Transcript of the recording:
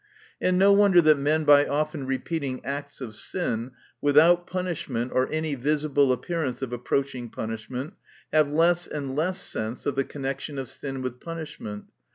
— And no wonder that men by ofter. repeating acts of sin, without punishment, or any visible ap pearance of approaching punishment, have less and less sense of the connection of sin with punibhment.